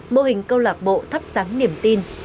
mô hình câu lạc bộ thắp sáng niềm tin